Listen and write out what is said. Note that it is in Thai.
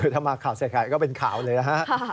ถ้ามาข่าวใส่ใครก็เป็นข่าวเลยนะครับ